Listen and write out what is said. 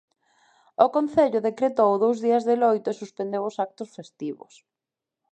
O concello decretou dous días de loito e suspendeu os actos festivos.